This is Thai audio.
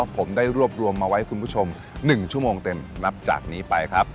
ผมได้รวบรวมมาไว้คุณผู้ชม๑ชั่วโมงเต็มนับจากนี้ไปครับ